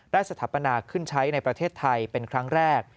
สถาปนาขึ้นใช้ในประเทศไทยเป็นครั้งแรก